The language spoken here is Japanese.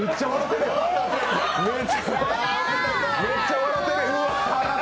めっちゃ笑ってる。